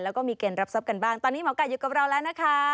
แล้วก็มีเกณฑ์รับทรัพย์กันบ้างตอนนี้หมอไก่อยู่กับเราแล้วนะคะ